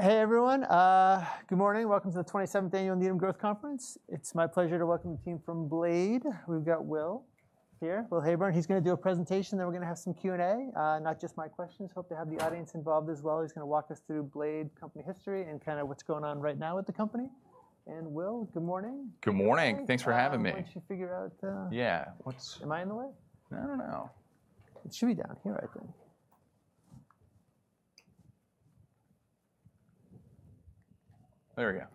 Hey, everyone. Good morning. Welcome to the 27th Annual Needham Growth Conference. It's my pleasure to welcome the team from Blade. We've got Will here, Will Heyburn. He's going to do a presentation. Then we're going to have some Q&A, not just my questions. Hope to have the audience involved as well. He's going to walk us through Blade company history and kind of what's going on right now with the company. And Will, good morning. Good morning. Thanks for having me. I want you to figure out. Yeah. Am I in the way? No, no, no. It should be down here right there. There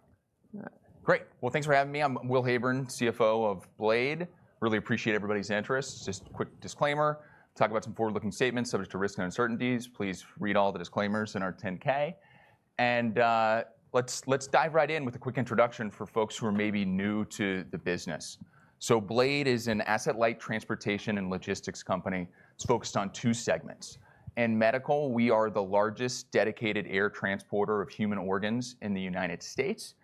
we go. Great. Thanks for having me. I'm Will Heyburn, CFO of Blade. Really appreciate everybody's interest. Just quick disclaimer, talk about some forward-looking statements subject to risk and uncertainties. Please read all the disclaimers in our 10-K. Let's dive right in with a quick introduction for folks who are maybe new to the business. Blade is an asset-light transportation and logistics company. It's focused on two segments. In medical, we are the largest dedicated air transporter of human organs in the United States.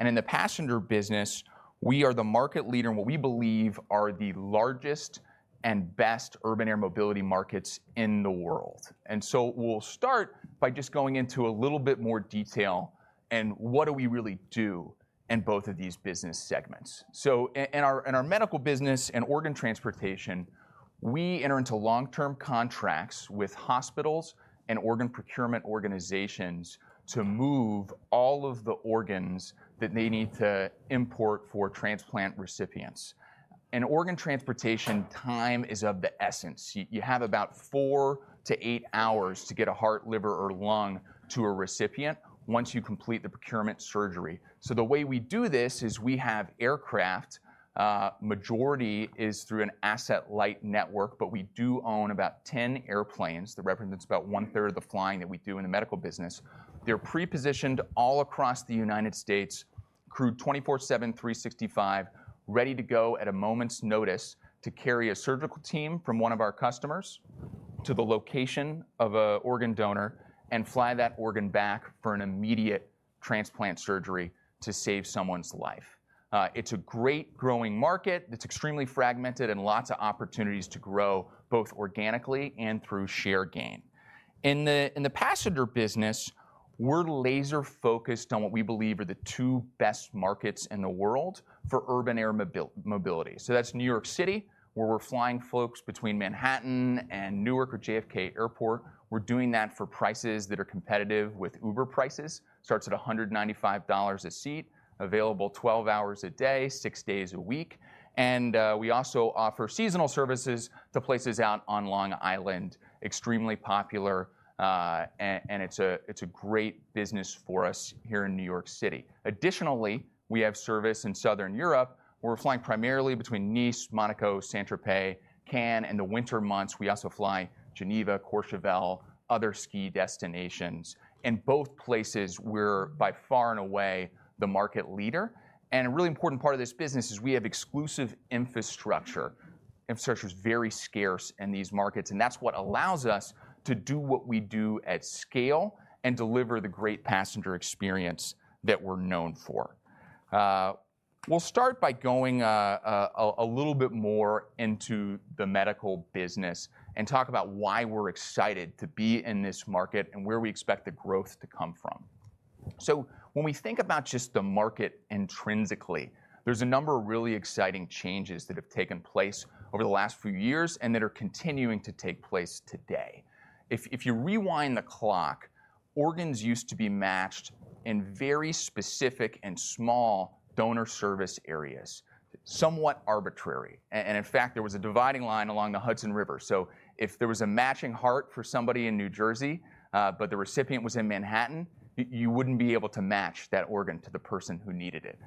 In the passenger business, we are the market leader in what we believe are the largest and best urban air mobility markets in the world. We'll start by just going into a little bit more detail and what do we really do in both of these business segments. So in our medical business and organ transportation, we enter into long-term contracts with hospitals and organ procurement organizations to move all of the organs that they need to import for transplant recipients. In organ transportation, time is of the essence. You have about four to eight hours to get a heart, liver, or lung to a recipient once you complete the procurement surgery. So the way we do this is we have aircraft. The majority is through an asset-light network, but we do own about 10 airplanes. That represents about one-third of the flying that we do in the medical business. They're pre-positioned all across the United States, crewed 24/7, 365, ready to go at a moment's notice to carry a surgical team from one of our customers to the location of an organ donor and fly that organ back for an immediate transplant surgery to save someone's life. It's a great growing market. It's extremely fragmented and lots of opportunities to grow both organically and through share gain. In the passenger business, we're laser-focused on what we believe are the two best markets in the world for urban air mobility, so that's New York City, where we're flying folks between Manhattan and Newark or JFK Airport. We're doing that for prices that are competitive with Uber prices. Starts at $195 a seat, available 12 hours a day, six days a week, and we also offer seasonal services to places out on Long Island, extremely popular, and it's a great business for us here in New York City. Additionally, we have service in Southern Europe. We're flying primarily between Nice, Monaco, Saint-Tropez, Cannes, and the winter months. We also fly Geneva, Courchevel, other ski destinations. In both places, we're by far and away the market leader. And a really important part of this business is we have exclusive infrastructure. Infrastructure is very scarce in these markets. And that's what allows us to do what we do at scale and deliver the great passenger experience that we're known for. We'll start by going a little bit more into the medical business and talk about why we're excited to be in this market and where we expect the growth to come from. So when we think about just the market intrinsically, there's a number of really exciting changes that have taken place over the last few years and that are continuing to take place today. If you rewind the clock, organs used to be matched in very specific and small donor service areas, somewhat arbitrary. And in fact, there was a dividing line along the Hudson River. So if there was a matching heart for somebody in New Jersey, but the recipient was in Manhattan, you wouldn't be able to match that organ to the person who needed it.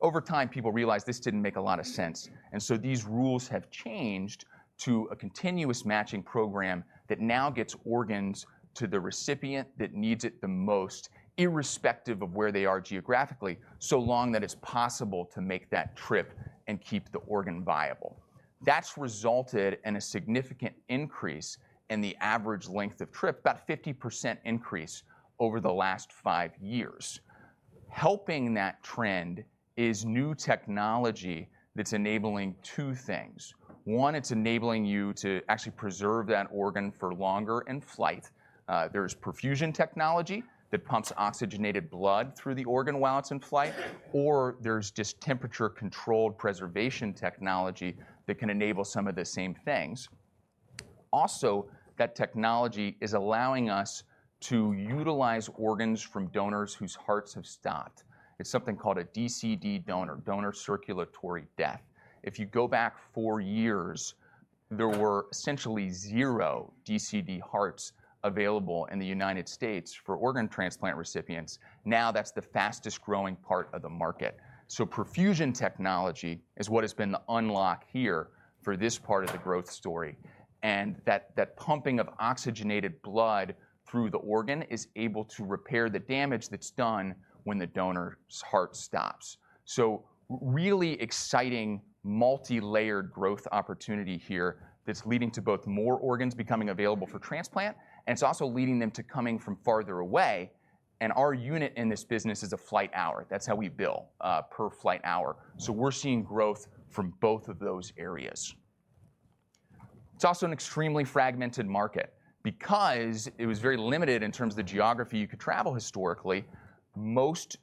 Over time, people realized this didn't make a lot of sense. And so these rules have changed to a continuous matching program that now gets organs to the recipient that needs it the most, irrespective of where they are geographically, so long that it's possible to make that trip and keep the organ viable. That's resulted in a significant increase in the average length of trip, about a 50% increase over the last five years. Helping that trend is new technology that's enabling two things. One, it's enabling you to actually preserve that organ for longer in flight. There's perfusion technology that pumps oxygenated blood through the organ while it's in flight, or there's just temperature-controlled preservation technology that can enable some of the same things. Also, that technology is allowing us to utilize organs from donors whose hearts have stopped. It's something called a DCD donor, donor circulatory death. If you go back four years, there were essentially zero DCD hearts available in the United States for organ transplant recipients. Now that's the fastest growing part of the market. So perfusion technology is what has been the unlock here for this part of the growth story. And that pumping of oxygenated blood through the organ is able to repair the damage that's done when the donor's heart stops. So really exciting multi-layered growth opportunity here that's leading to both more organs becoming available for transplant, and it's also leading them to coming from farther away. Our unit in this business is a flight hour. That's how we bill per flight hour. So we're seeing growth from both of those areas. It's also an extremely fragmented market because it was very limited in terms of the geography you could travel historically. Most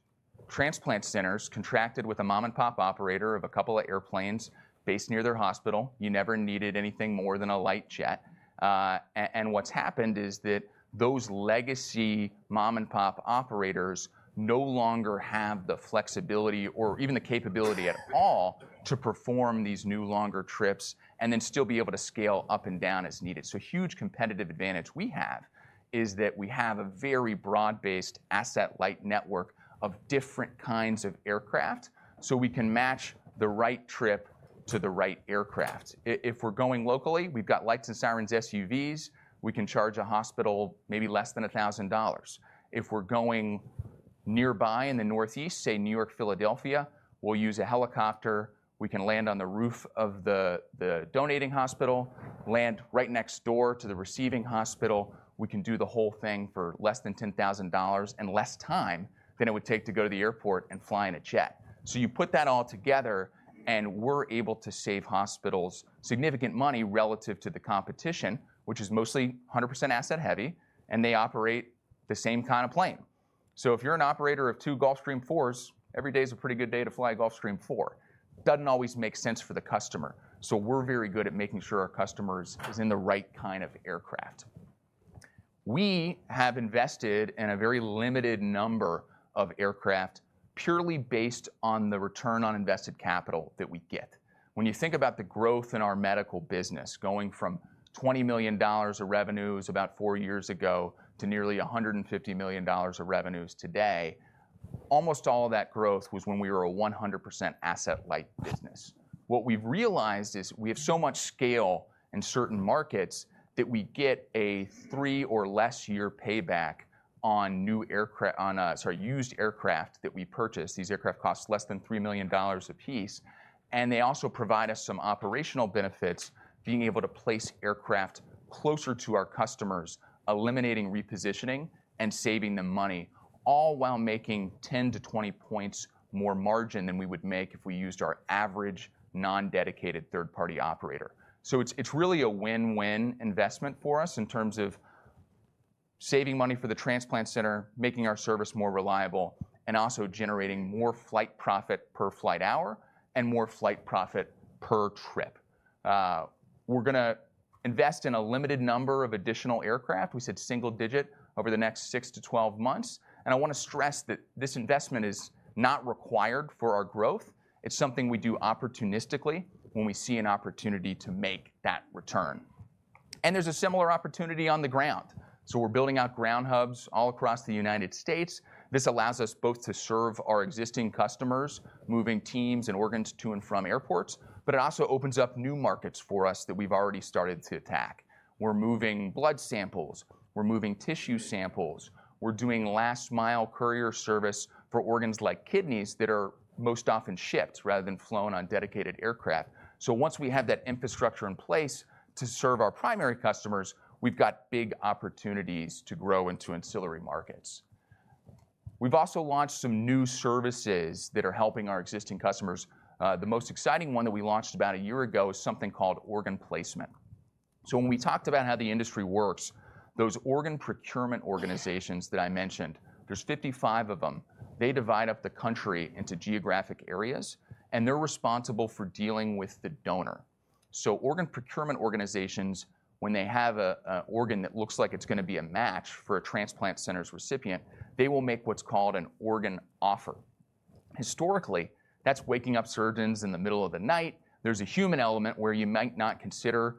transplant centers contracted with a mom-and-pop operator of a couple of airplanes based near their hospital. You never needed anything more than a light jet. And what's happened is that those legacy mom-and-pop operators no longer have the flexibility or even the capability at all to perform these longer trips and then still be able to scale up and down as needed. So a huge competitive advantage we have is that we have a very broad-based asset-light network of different kinds of aircraft so we can match the right trip to the right aircraft. If we're going locally, we've got lights and sirens SUVs. We can charge a hospital maybe less than $1,000. If we're going nearby in the Northeast, say New York, Philadelphia, we'll use a helicopter. We can land on the roof of the donating hospital, land right next door to the receiving hospital. We can do the whole thing for less than $10,000 and less time than it would take to go to the airport and fly in a jet. So you put that all together and we're able to save hospitals significant money relative to the competition, which is mostly 100% asset-heavy, and they operate the same kind of plane. So if you're an operator of two Gulfstream IVs, every day is a pretty good day to fly a Gulfstream IV. Doesn't always make sense for the customer. So we're very good at making sure our customers are in the right kind of aircraft. We have invested in a very limited number of aircraft purely based on the return on invested capital that we get. When you think about the growth in our medical business, going from $20 million of revenues about four years ago to nearly $150 million of revenues today, almost all of that growth was when we were a 100% asset-light business. What we've realized is we have so much scale in certain markets that we get a three or less year payback on used aircraft that we purchase. These aircraft cost less than $3 million apiece. And they also provide us some operational benefits, being able to place aircraft closer to our customers, eliminating repositioning and saving them money, all while making 10-20 points more margin than we would make if we used our average non-dedicated third-party operator. So it's really a win-win investment for us in terms of saving money for the transplant center, making our service more reliable, and also generating more flight profit per flight hour and more flight profit per trip. We're going to invest in a limited number of additional aircraft. We said single digit over the next 6-12 months. And I want to stress that this investment is not required for our growth. It's something we do opportunistically when we see an opportunity to make that return. And there's a similar opportunity on the ground. So we're building out ground hubs all across the United States. This allows us both to serve our existing customers, moving teams and organs to and from airports, but it also opens up new markets for us that we've already started to attack. We're moving blood samples. We're moving tissue samples. We're doing last-mile courier service for organs like kidneys that are most often shipped rather than flown on dedicated aircraft. So once we have that infrastructure in place to serve our primary customers, we've got big opportunities to grow into ancillary markets. We've also launched some new services that are helping our existing customers. The most exciting one that we launched about a year ago is something called Organ Placement. So when we talked about how the industry works, those organ procurement organizations that I mentioned, there's 55 of them. They divide up the country into geographic areas, and they're responsible for dealing with the donor. Organ procurement organizations, when they have an organ that looks like it's going to be a match for a transplant center's recipient, they will make what's called an organ offer. Historically, that's waking up surgeons in the middle of the night. There's a human element where you might not consider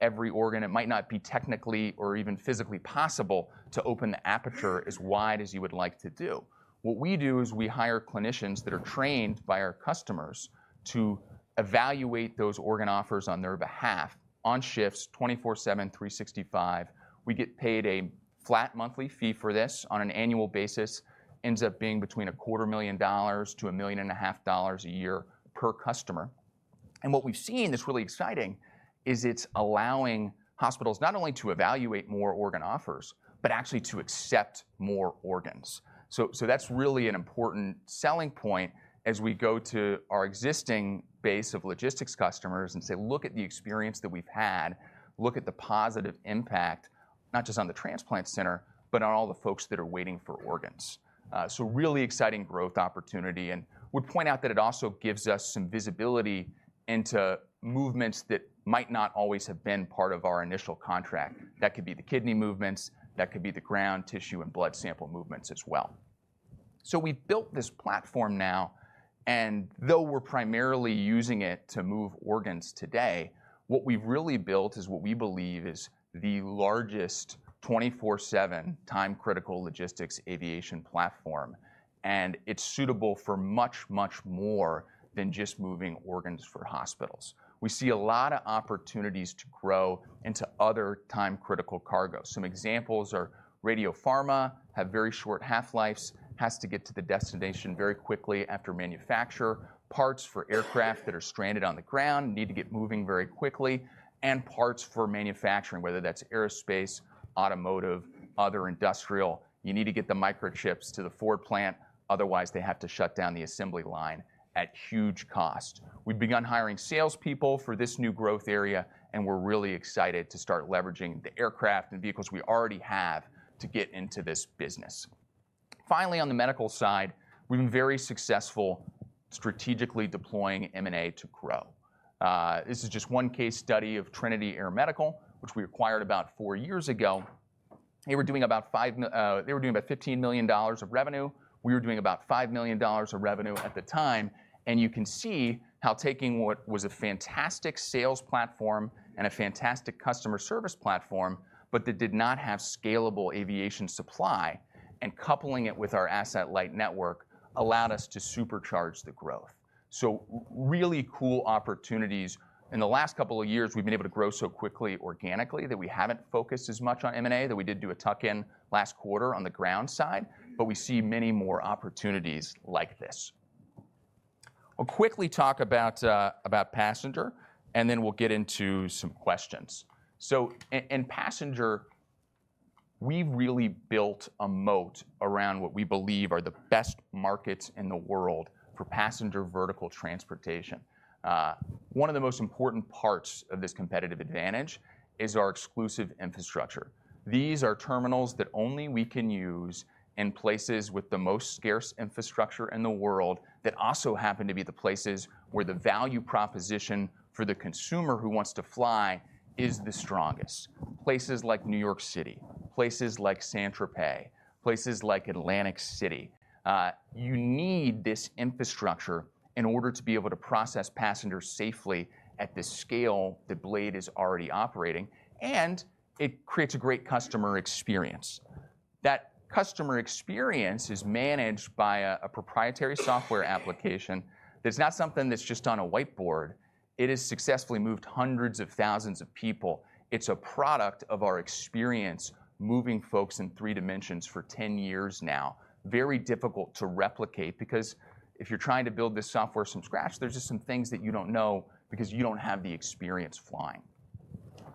every organ. It might not be technically or even physically possible to open the aperture as wide as you would like to do. What we do is we hire clinicians that are trained by our customers to evaluate those organ offers on their behalf on shifts 24/7, 365. We get paid a flat monthly fee for this on an annual basis. It ends up being between $250,000 to $1.5 million a year per customer. What we've seen that's really exciting is it's allowing hospitals not only to evaluate more organ offers, but actually to accept more organs. So that's really an important selling point as we go to our existing base of logistics customers and say, "Look at the experience that we've had. Look at the positive impact, not just on the transplant center, but on all the folks that are waiting for organs." So really exciting growth opportunity. We'd point out that it also gives us some visibility into movements that might not always have been part of our initial contract. That could be the kidney movements. That could be the ground tissue and blood sample movements as well. So we've built this platform now. Though we're primarily using it to move organs today, what we've really built is what we believe is the largest 24/7 time-critical logistics aviation platform. It's suitable for much, much more than just moving organs for hospitals. We see a lot of opportunities to grow into other time-critical cargo. Some examples are radiopharma, have very short half-lives, has to get to the destination very quickly after manufacture. Parts for aircraft that are stranded on the ground need to get moving very quickly. And parts for manufacturing, whether that's aerospace, automotive, other industrial, you need to get the microchips to the Ford plant. Otherwise, they have to shut down the assembly line at huge cost. We've begun hiring salespeople for this new growth area, and we're really excited to start leveraging the aircraft and vehicles we already have to get into this business. Finally, on the medical side, we've been very successful strategically deploying M&A to grow. This is just one case study of Trinity Air Medical, which we acquired about four years ago. They were doing about $15 million of revenue. We were doing about $5 million of revenue at the time. And you can see how taking what was a fantastic sales platform and a fantastic customer service platform, but that did not have scalable aviation supply and coupling it with our asset-light network allowed us to supercharge the growth. So really cool opportunities. In the last couple of years, we've been able to grow so quickly organically that we haven't focused as much on M&A. That we did do a tuck-in last quarter on the ground side, but we see many more opportunities like this. I'll quickly talk about Passenger, and then we'll get into some questions. So in Passenger, we've really built a moat around what we believe are the best markets in the world for passenger vertical transportation. One of the most important parts of this competitive advantage is our exclusive infrastructure. These are terminals that only we can use in places with the most scarce infrastructure in the world that also happen to be the places where the value proposition for the consumer who wants to fly is the strongest. Places like New York City, places like Saint-Tropez, places like Atlantic City. You need this infrastructure in order to be able to process passengers safely at the scale that Blade is already operating, and it creates a great customer experience. That customer experience is managed by a proprietary software application. That's not something that's just on a whiteboard. It has successfully moved hundreds of thousands of people. It's a product of our experience moving folks in three dimensions for 10 years now. Very difficult to replicate because if you're trying to build this software from scratch, there's just some things that you don't know because you don't have the experience flying.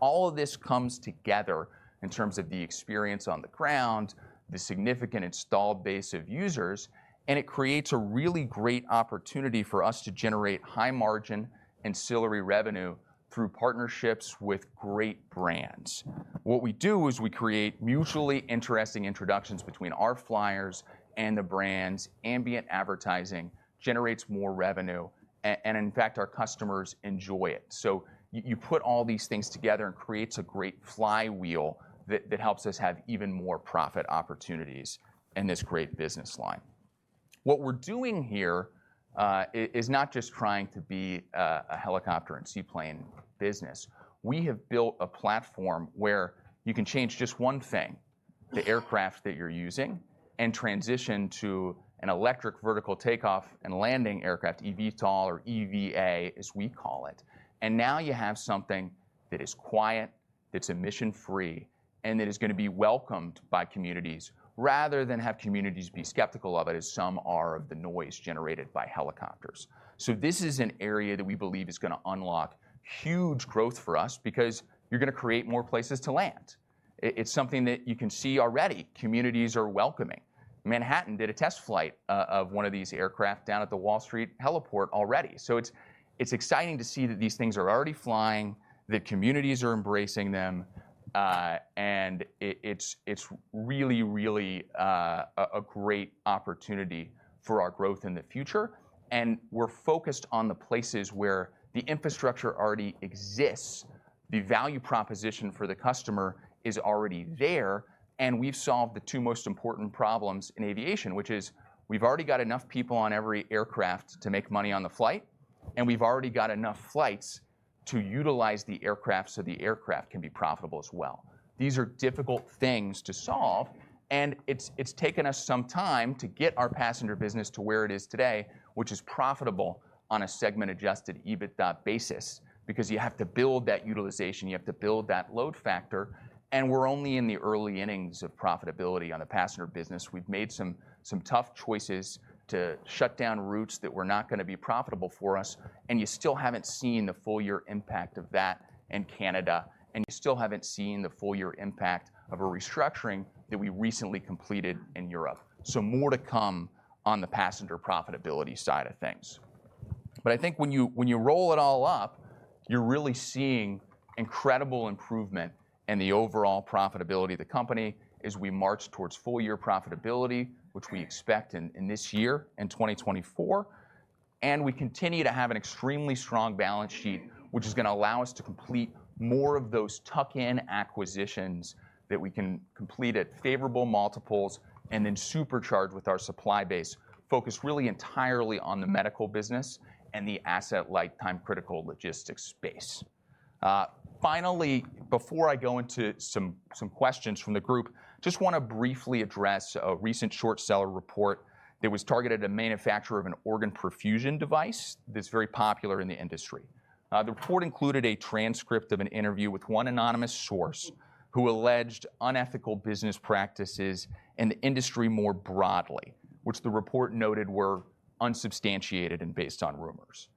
All of this comes together in terms of the experience on the ground, the significant installed base of users, and it creates a really great opportunity for us to generate high-margin ancillary revenue through partnerships with great brands. What we do is we create mutually interesting introductions between our flyers and the brands. Ambient advertising generates more revenue, and in fact, our customers enjoy it. So you put all these things together and creates a great flywheel that helps us have even more profit opportunities in this great business line. What we're doing here is not just trying to be a helicopter and seaplane business. We have built a platform where you can change just one thing, the aircraft that you're using, and transition to an electric vertical takeoff and landing aircraft, eVTOL or EVA, as we call it, and now you have something that is quiet, that's emission-free, and that is going to be welcomed by communities rather than have communities be skeptical of it, as some are of the noise generated by helicopters, so this is an area that we believe is going to unlock huge growth for us because you're going to create more places to land. It's something that you can see already. Communities are welcoming. Manhattan did a test flight of one of these aircraft down at the Wall Street Heliport already. It's exciting to see that these things are already flying, that communities are embracing them, and it's really, really a great opportunity for our growth in the future. We're focused on the places where the infrastructure already exists. The value proposition for the customer is already there. We've solved the two most important problems in aviation, which is we've already got enough people on every aircraft to make money on the flight, and we've already got enough flights to utilize the aircraft so the aircraft can be profitable as well. These are difficult things to solve, and it's taken us some time to get our passenger business to where it is today, which is profitable on a segment-adjusted EBITDA basis because you have to build that utilization. You have to build that load factor. We're only in the early innings of profitability on the passenger business. We've made some tough choices to shut down routes that were not going to be profitable for us, and you still haven't seen the full year impact of that in Canada, and you still haven't seen the full year impact of a restructuring that we recently completed in Europe. So more to come on the passenger profitability side of things. But I think when you roll it all up, you're really seeing incredible improvement in the overall profitability of the company as we march towards full year profitability, which we expect in this year and 2024. And we continue to have an extremely strong balance sheet, which is going to allow us to complete more of those tuck-in acquisitions that we can complete at favorable multiples and then supercharge with our supply base, focused really entirely on the medical business and the asset-light time-critical logistics space. Finally, before I go into some questions from the group, just want to briefly address a recent short seller report that was targeted at a manufacturer of an organ perfusion device that's very popular in the industry. The report included a transcript of an interview with one anonymous source who alleged unethical business practices in the industry more broadly, which the report noted were unsubstantiated and based on rumors.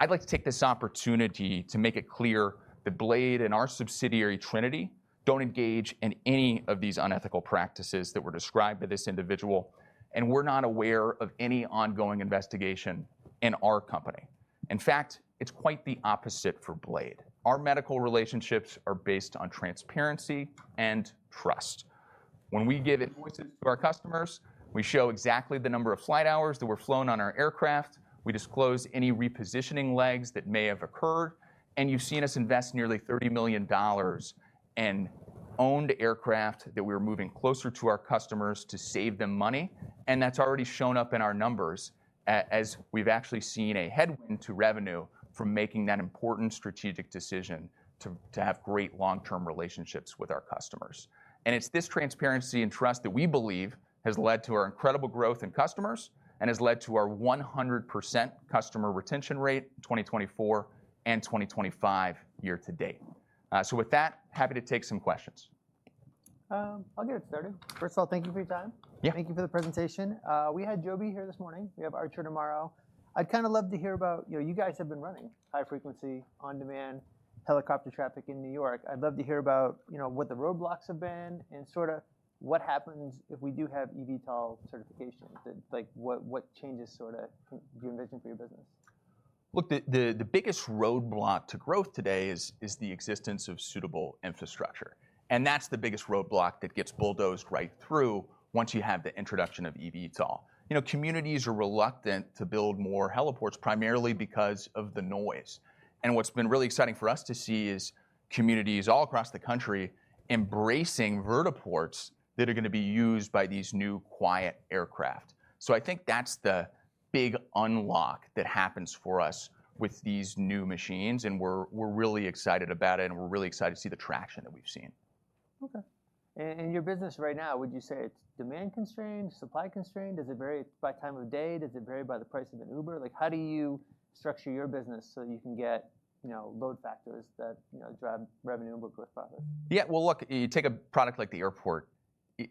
I'd like to take this opportunity to make it clear that Blade and our subsidiary, Trinity, don't engage in any of these unethical practices that were described by this individual, and we're not aware of any ongoing investigation in our company. In fact, it's quite the opposite for Blade. Our medical relationships are based on transparency and trust. When we give invoices to our customers, we show exactly the number of flight hours that were flown on our aircraft. We disclose any repositioning legs that may have occurred, and you've seen us invest nearly $30 million in owned aircraft that we were moving closer to our customers to save them money, and that's already shown up in our numbers as we've actually seen a headwind to revenue from making that important strategic decision to have great long-term relationships with our customers, and it's this transparency and trust that we believe has led to our incredible growth in customers and has led to our 100% customer retention rate in 2024 and 2025 year to date, so with that, happy to take some questions. I'll get it started. First of all, thank you for your time. Thank you for the presentation. We had Joby here this morning. We have Archer tomorrow. I'd kind of love to hear about, you know, you guys have been running high-frequency on-demand helicopter traffic in New York. I'd love to hear about, you know, what the roadblocks have been and sort of what happens if we do have eVTOL certification. What changes sort of do you envision for your business? Look, the biggest roadblock to growth today is the existence of suitable infrastructure, and that's the biggest roadblock that gets bulldozed right through once you have the introduction of eVTOL. You know, communities are reluctant to build more heliports primarily because of the noise, and what's been really exciting for us to see is communities all across the country embracing vertiports that are going to be used by these new quiet aircraft, so I think that's the big unlock that happens for us with these new machines, and we're really excited about it, and we're really excited to see the traction that we've seen. Okay. And your business right now, would you say it's demand constrained, supply constrained? Does it vary by time of day? Does it vary by the price of an Uber? Like, how do you structure your business so that you can get, you know, load factors that drive revenue and work with? Yeah. Well, look, you take a product like the airport,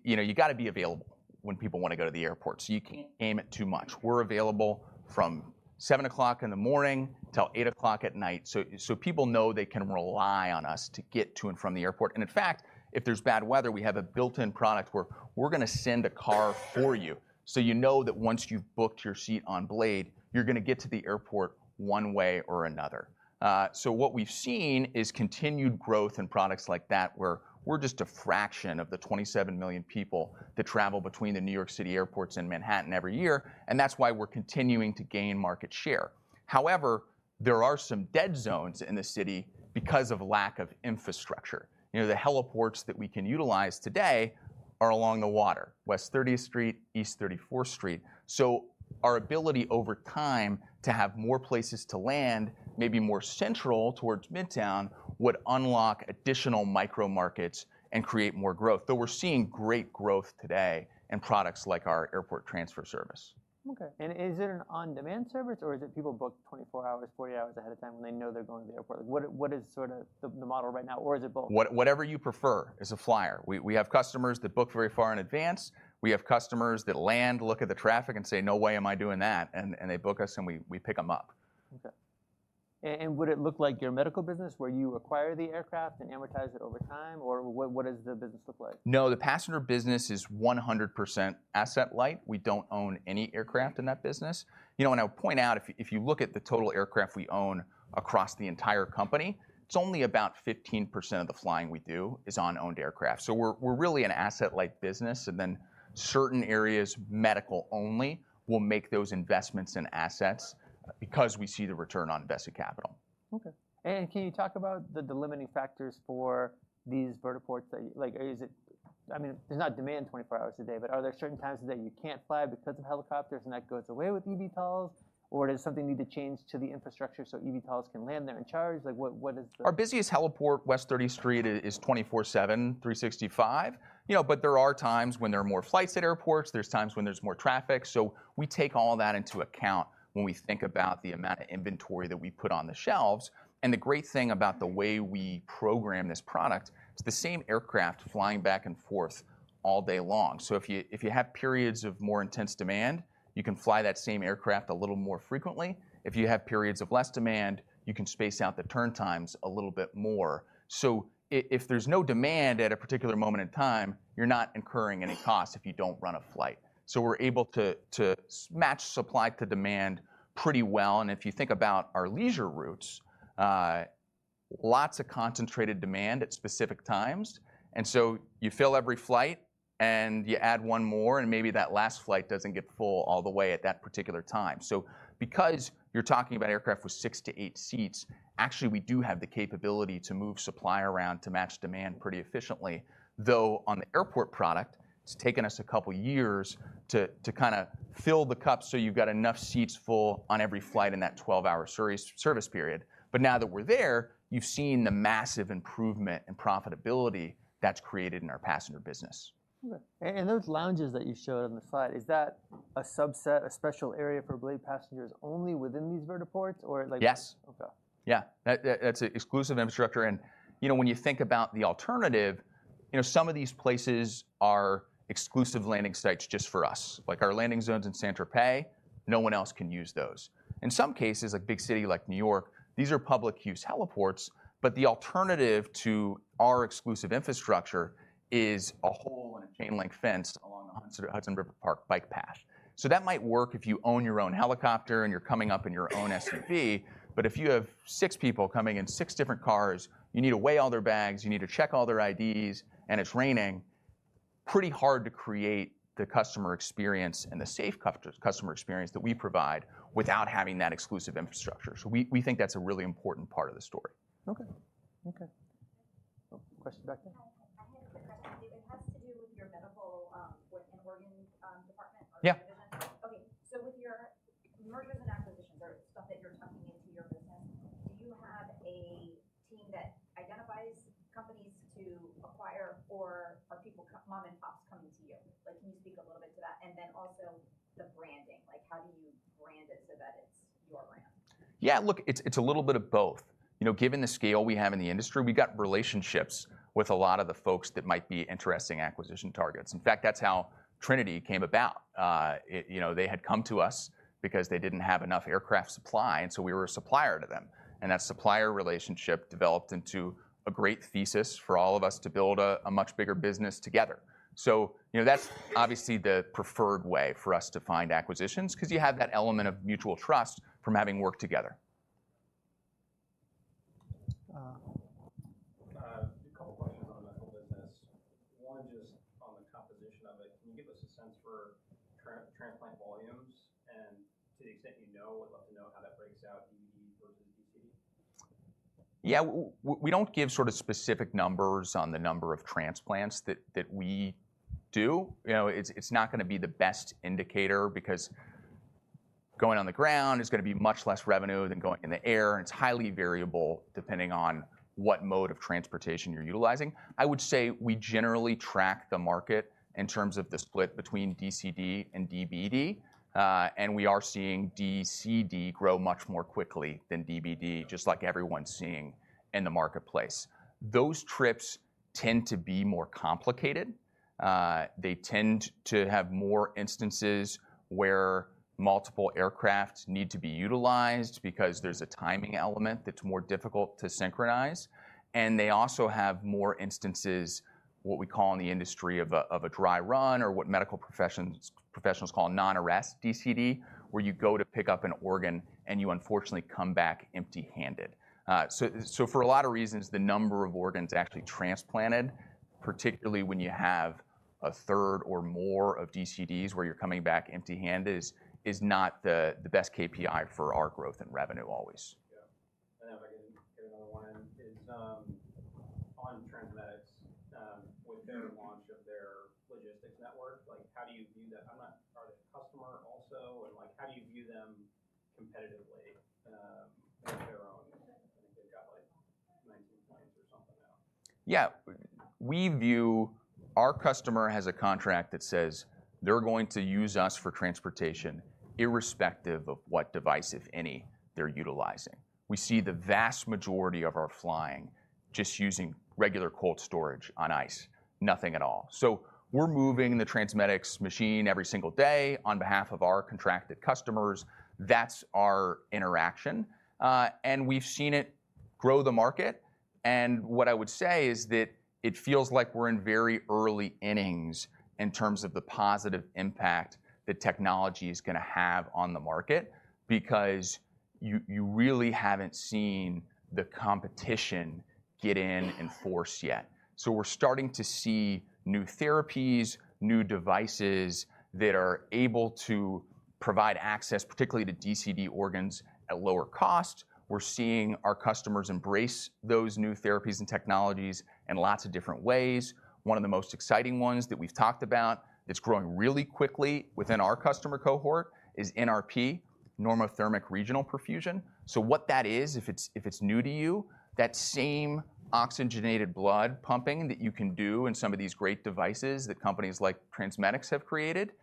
you know, you've got to be available when people want to go to the airport. So you can't aim it too much. We're available from 7:00 A.M. till 8:00 P.M. So people know they can rely on us to get to and from the airport. And in fact, if there's bad weather, we have a built-in product where we're going to send a car for you so you know that once you've booked your seat on Blade, you're going to get to the airport one way or another. So what we've seen is continued growth in products like that where we're just a fraction of the 27 million people that travel between the New York City airports and Manhattan every year. And that's why we're continuing to gain market share. However, there are some dead zones in the city because of lack of infrastructure. You know, the heliports that we can utilize today are along the water, West 30th Street, East 34th Street. So our ability over time to have more places to land, maybe more central towards Midtown, would unlock additional micro-markets and create more growth. But we're seeing great growth today in products like our airport transfer service. Okay. And is it an on-demand service or is it people book 24 hours, 40 hours ahead of time when they know they're going to the airport? Like, what is sort of the model right now? Or is it both? Whatever you prefer as a flyer. We have customers that book very far in advance. We have customers that land, look at the traffic and say, "No way am I doing that," and they book us and we pick them up. Okay. And would it look like your medical business where you acquire the aircraft and amortize it over time? Or what does the business look like? No, the passenger business is 100% asset-light. We don't own any aircraft in that business. You know, and I'll point out if you look at the total aircraft we own across the entire company, it's only about 15% of the flying we do is on owned aircraft. So we're really an asset-light business. And then certain areas, medical only, will make those investments in assets because we see the return on invested capital. Okay. And can you talk about the limiting factors for these vertiports? Like, is it, I mean, there's not demand 24 hours a day, but are there certain times that you can't fly because of helicopters and that goes away with eVTOLs? Or does something need to change to the infrastructure so eVTOLs can land there and charge? Like, what is the? Our busiest heliport, West 30th Street, is 24/7, 365. You know, but there are times when there are more flights at airports. There's times when there's more traffic, so we take all that into account when we think about the amount of inventory that we put on the shelves, and the great thing about the way we program this product is the same aircraft flying back and forth all day long, so if you have periods of more intense demand, you can fly that same aircraft a little more frequently. If you have periods of less demand, you can space out the turn times a little bit more, so if there's no demand at a particular moment in time, you're not incurring any cost if you don't run a flight, so we're able to match supply to demand pretty well. And if you think about our leisure routes, lots of concentrated demand at specific times. And so you fill every flight and you add one more, and maybe that last flight doesn't get full all the way at that particular time. So because you're talking about aircraft with six to eight seats, actually we do have the capability to move supply around to match demand pretty efficiently. Though on the airport product, it's taken us a couple of years to kind of fill the cup so you've got enough seats full on every flight in that 12-hour service period. But now that we're there, you've seen the massive improvement in profitability that's created in our passenger business. Okay. And those lounges that you showed on the slide, is that a subset, a special area for Blade passengers only within these vertiports? Or like? Yes. Okay. Yeah. That's an exclusive infrastructure. And you know, when you think about the alternative, you know, some of these places are exclusive landing sites just for us. Like our landing zones in Santa Fe, no one else can use those. In some cases, like big city like New York, these are public use heliports, but the alternative to our exclusive infrastructure is a hole in a chain link fence along the Hudson River Park bike path. So that might work if you own your own helicopter and you're coming up in your own SUV, but if you have six people coming in six different cars, you need to weigh all their bags, you need to check all their IDs, and it's raining, pretty hard to create the customer experience and the safe customer experience that we provide without having that exclusive infrastructure. So we think that's a really important part of the story. Okay. Question back there? I had a quick question. It has to do with your medical and organ department or division? Yeah. Okay. So with your mergers and acquisitions or stuff that you're tucking into your business, do you have a team that identifies companies to acquire, or are people mom-and-pops coming to you? Like, can you speak a little bit to that? And then also the branding, like how do you brand it so that it's your brand? Yeah. Look, it's a little bit of both. You know, given the scale we have in the industry, we've got relationships with a lot of the folks that might be interesting acquisition targets. In fact, that's how Trinity came about. You know, they had come to us because they didn't have enough aircraft supply, and so we were a supplier to them. And that supplier relationship developed into a great thesis for all of us to build a much bigger business together. So, you know, that's obviously the preferred way for us to find acquisitions because you have that element of mutual trust from having worked together. A couple of questions on medical business. One just on the composition of it. Can you give us a sense for transplant volumes? And to the extent you know, we'd love to know how that breaks out, DBD versus DCD? Yeah. We don't give sort of specific numbers on the number of transplants that we do. You know, it's not going to be the best indicator because going on the ground is going to be much less revenue than going in the air, and it's highly variable depending on what mode of transportation you're utilizing. I would say we generally track the market in terms of the split between DCD and DBD, and we are seeing DCD grow much more quickly than DBD, just like everyone's seeing in the marketplace. Those trips tend to be more complicated. They tend to have more instances where multiple aircraft need to be utilized because there's a timing element that's more difficult to synchronize. They also have more instances, what we call in the industry of a dry run or what medical professionals call non-arrest DCD, where you go to pick up an organ and you unfortunately come back empty-handed. For a lot of reasons, the number of organs actually transplanted, particularly when you have a third or more of DCDs where you're coming back empty-handed, is not the best KPI for our growth and revenue always. Yeah. And I'm going to get another one. On TransMedics, with their launch of their logistics network, like how do you view that? Are they a customer also? And like how do you view them competitively with their own? I think they've got like 19 points or something now. Yeah. We view our customer has a contract that says they're going to use us for transportation irrespective of what device, if any, they're utilizing. We see the vast majority of our flying just using regular cold storage on ice, nothing at all. So we're moving the TransMedics machine every single day on behalf of our contracted customers. That's our interaction. And we've seen it grow the market. And what I would say is that it feels like we're in very early innings in terms of the positive impact that technology is going to have on the market because you really haven't seen the competition get in and force yet. So we're starting to see new therapies, new devices that are able to provide access, particularly to DCD organs at lower cost. We're seeing our customers embrace those new therapies and technologies in lots of different ways. One of the most exciting ones that we've talked about that's growing really quickly within our customer cohort is NRP, normothermic regional perfusion, so what that is, if it's new to you, that same oxygenated blood pumping that you can do in some of these great devices that companies like TransMedics have created,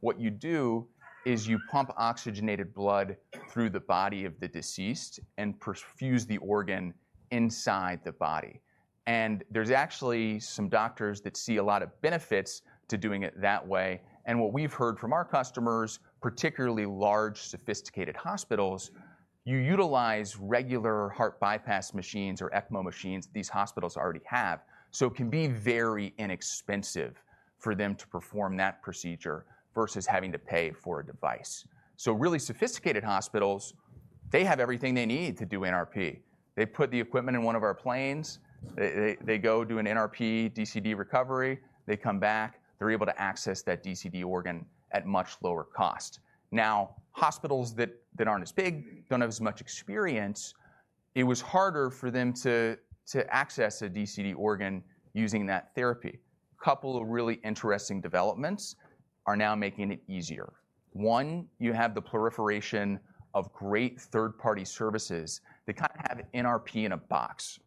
what you do is you pump oxygenated blood through the body of the deceased and perfuse the organ inside the body, and there's actually some doctors that see a lot of benefits to doing it that way, and what we've heard from our customers, particularly large sophisticated hospitals, you utilize regular heart bypass machines or ECMO machines that these hospitals already have, so it can be very inexpensive for them to perform that procedure versus having to pay for a device, so really sophisticated hospitals, they have everything they need to do NRP. They put the equipment in one of our planes, they go do an NRP DCD recovery, they come back, they're able to access that DCD organ at much lower cost. Now, hospitals that aren't as big don't have as much experience. It was harder for them to access a DCD organ using that therapy. A couple of really interesting developments are now making it easier. One, you have the proliferation of great third-party services that kind of have NRP in a box.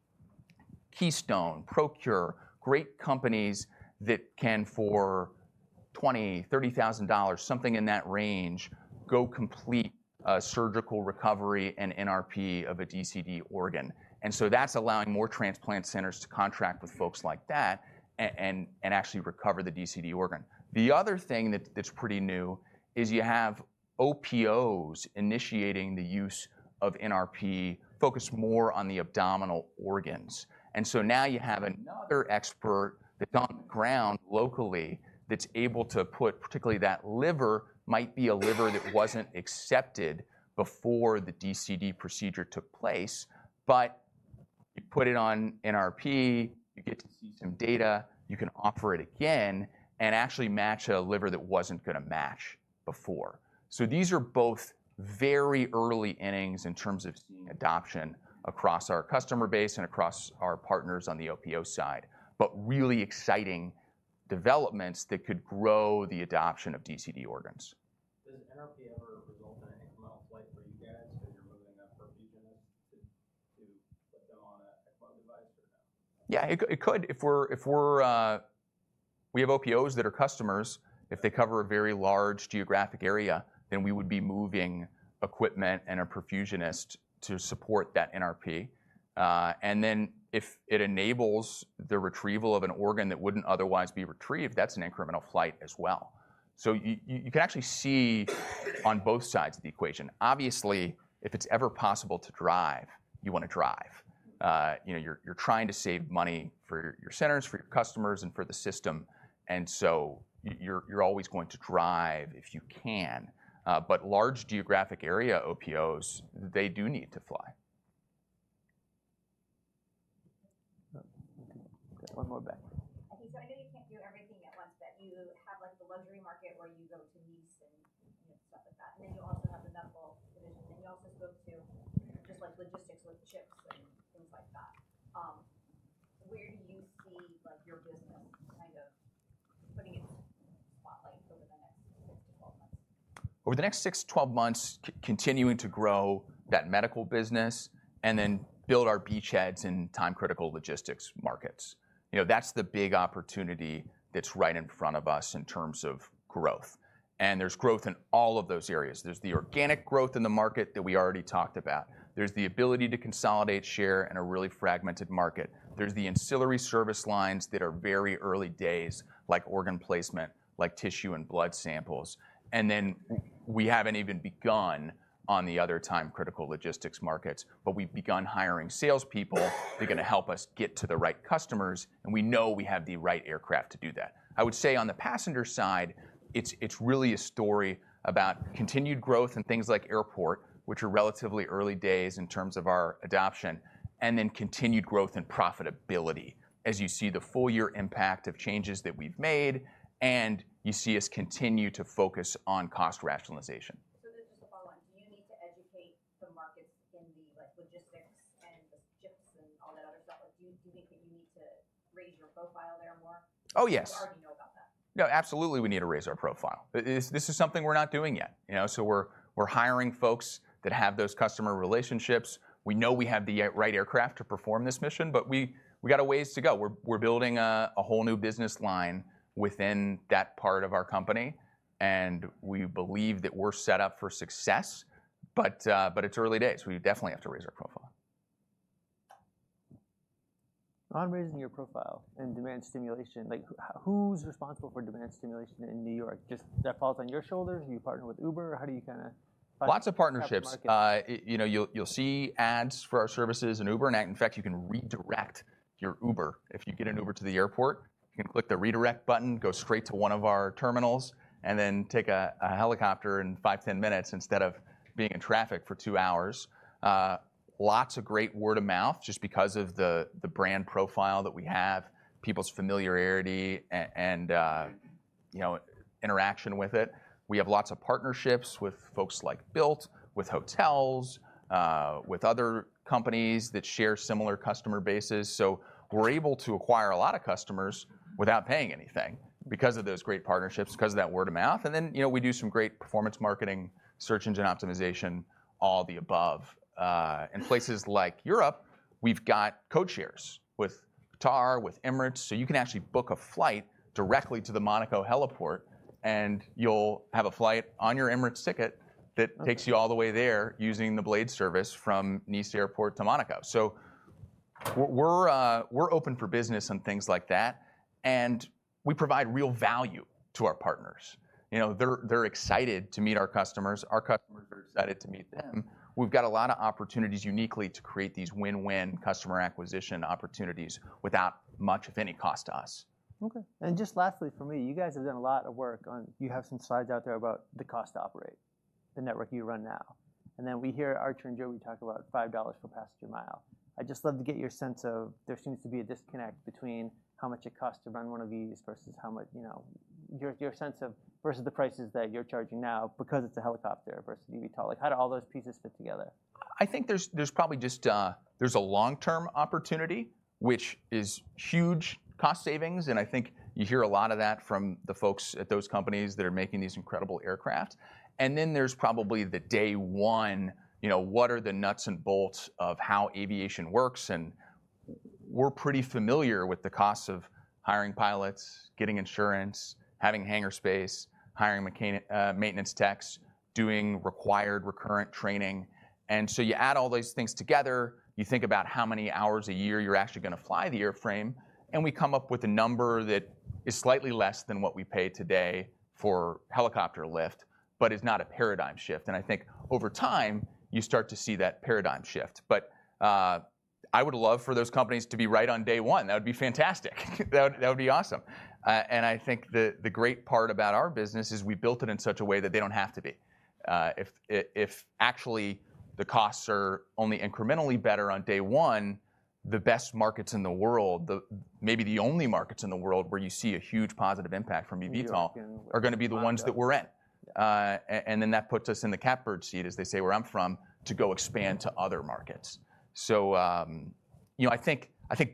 Keystone, ProCare, great companies that can for $20,000-$30,000, something in that range, go complete surgical recovery and NRP of a DCD organ, and so that's allowing more transplant centers to contract with folks like that and actually recover the DCD organ. The other thing that's pretty new is you have OPOs initiating the use of NRP focused more on the abdominal organs. And so now you have another expert that's on the ground locally that's able to put, particularly that liver might be a liver that wasn't accepted before the DCD procedure took place, but you put it on NRP, you get to see some data, you can offer it again and actually match a liver that wasn't going to match before. So these are both very early innings in terms of seeing adoption across our customer base and across our partners on the OPO side, but really exciting developments that could grow the adoption of DCD organs. Does NRP ever result in an ECMO flight for you guys when you're moving a perfusionist to put them on an ECMO device or no? Yeah, it could. If we have OPOs that are customers, if they cover a very large geographic area, then we would be moving equipment and a perfusionist to support that NRP. And then if it enables the retrieval of an organ that wouldn't otherwise be retrieved, that's an incremental flight as well. So you can actually see on both sides of the equation. Obviously, if it's ever possible to drive, you want to drive. You know, you're trying to save money for your centers, for your customers, and for the system. And so you're always going to drive if you can. But large geographic area OPOs, they do need to fly. Okay. One more back. So, I know you can't do everything at once, but you have like the luxury market where you go to Nice and stuff like that. And then you also have the medical division. And you also spoke to just like logistics with ships and things like that. Where do you see like your business kind of putting its spotlight over the next six to 12 months? Over the next six to 12 months, continuing to grow that medical business and then build our beachheads in time-critical logistics markets. You know, that's the big opportunity that's right in front of us in terms of growth. And there's growth in all of those areas. There's the organic growth in the market that we already talked about. There's the ability to consolidate share in a really fragmented market. There's the ancillary service lines that are very early days, like organ placement, like tissue and blood samples. And then we haven't even begun on the other time-critical logistics markets, but we've begun hiring salespeople. They're going to help us get to the right customers, and we know we have the right aircraft to do that. I would say on the passenger side, it's really a story about continued growth and things like airport, which are relatively early days in terms of our adoption, and then continued growth and profitability as you see the full year impact of changes that we've made, and you see us continue to focus on cost rationalization. So then just a follow-on, do you need to educate the markets in the logistics and the ships and all that other stuff? Do you think that you need to raise your profile there more? Oh yes. You already know about that. No, absolutely we need to raise our profile. This is something we're not doing yet. You know, so we're hiring folks that have those customer relationships. We know we have the right aircraft to perform this mission, but we got a ways to go. We're building a whole new business line within that part of our company, and we believe that we're set up for success, but it's early days. We definitely have to raise our profile. On raising your profile and demand stimulation, like, who's responsible for demand stimulation in New York? Just that falls on your shoulders? Do you partner with Uber? How do you kind of? Lots of partnerships. You know, you'll see ads for our services in Uber. In fact, you can redirect your Uber. If you get an Uber to the airport, you can click the redirect button, go straight to one of our terminals, and then take a helicopter in five, 10 minutes instead of being in traffic for two hours. Lots of great word of mouth just because of the brand profile that we have, people's familiarity and, you know, interaction with it. We have lots of partnerships with folks like Bilt, with hotels, with other companies that share similar customer bases. So we're able to acquire a lot of customers without paying anything because of those great partnerships, because of that word of mouth, and then, you know, we do some great performance marketing, search engine optimization, all the above. In places like Europe, we've got code shares with Qatar, with Emirates. So you can actually book a flight directly to the Monaco heliport, and you'll have a flight on your Emirates ticket that takes you all the way there using the Blade service from Nice Airport to Monaco. So we're open for business and things like that. And we provide real value to our partners. You know, they're excited to meet our customers. Our customers are excited to meet them. We've got a lot of opportunities uniquely to create these win-win customer acquisition opportunities without much, if any, cost to us. Okay, and just lastly for me, you guys have done a lot of work on, you have some slides out there about the cost to operate the network you run now. And then we hear Archer and Joby, we talk about $5 per passenger mile. I'd just love to get your sense of, there seems to be a disconnect between how much it costs to run one of these versus how much, you know, your sense of versus the prices that you're charging now because it's a helicopter versus an eVTOL. Like how do all those pieces fit together? I think there's probably just, there's a long-term opportunity, which is huge cost savings. And I think you hear a lot of that from the folks at those companies that are making these incredible aircraft. And then there's probably the day one, you know, what are the nuts and bolts of how aviation works? And we're pretty familiar with the costs of hiring pilots, getting insurance, having hangar space, hiring maintenance techs, doing required recurrent training. And so you add all those things together, you think about how many hours a year you're actually going to fly the airframe, and we come up with a number that is slightly less than what we pay today for helicopter lift, but it's not a paradigm shift. And I think over time, you start to see that paradigm shift. But I would love for those companies to be right on day one. That would be fantastic. That would be awesome. I think the great part about our business is we built it in such a way that they don't have to be. If actually the costs are only incrementally better on day one, the best markets in the world, maybe the only markets in the world where you see a huge positive impact from eVTOL are going to be the ones that we're in. Then that puts us in the catbird seat, as they say where I'm from, to go expand to other markets. So you know, I think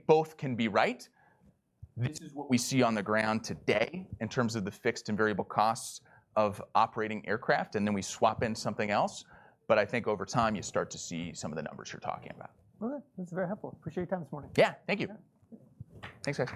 both can be right. This is what we see on the ground today in terms of the fixed and variable costs of operating aircraft, and then we swap in something else. But I think over time, you start to see some of the numbers you're talking about. Okay. That's very helpful. Appreciate your time this morning. Yeah, thank you. Thanks, guys.